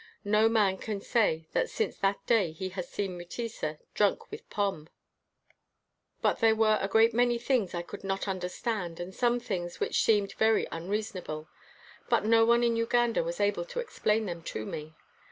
No man can say that since that day he has seen Mutesa drunk with pombe. But there were a great 15 WHITE MAN OF WORK many things I could not understand and some things which seemed very unreason able; but no one in Uganda was able to ex plain them to me.